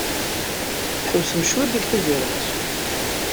Tḥewwsem cwiṭ deg Tubirett?